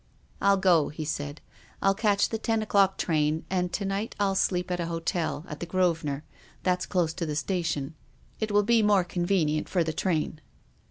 " I'll go," he said. " I'll catch the ten o'clock train, and to night I'll sleep at an hotel, at the Grosvenor — that's close to the station. It will be more convenient for the train."